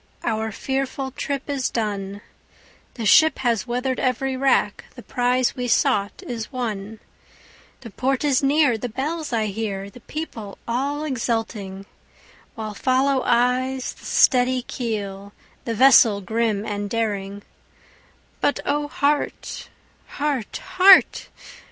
our fearful trip is done, The ship has weather'd every rack, the prize we sought is won, The port is near, the bells I hear, the people all exulting, While follow eyes the steady keel, the vessel grim and daring; But O heart! heart! heart!